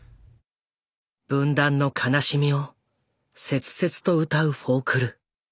分断の悲しみを切々と歌うフォークル。